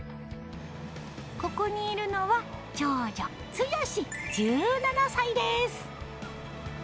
ここにいるのは、長女、ツヨシ１７歳です。